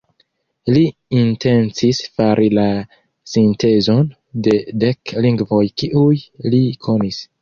Li intencis fari la sintezon de dek lingvoj kiuj li konis.